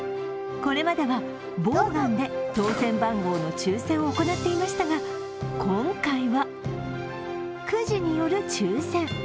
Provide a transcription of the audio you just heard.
これまでは、ボーガンで当選番号の抽選を行っていましたが、今回はくじによる抽選。